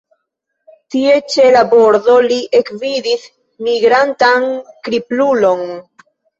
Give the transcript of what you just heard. Tie ĉe la bordo li ekvidis migrantan kriplulon.